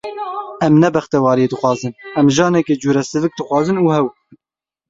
Em ne bextewariyê dixwazin, em janeke cure sivik dixwazin û hew.